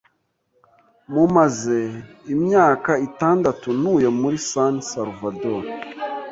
Mumaze imyaka itandatu ntuye muri San Salvador.